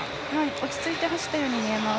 落ち着いて走ったように見えます。